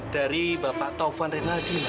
dari bapak taufan renal dina